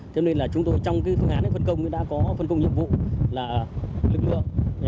cho nên là chúng tôi trong phương án phân công đã có phân công nhiệm vụ là lực lượng